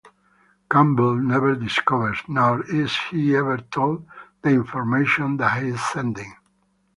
Campbell never discovers, nor is he ever told, the information that he is sending.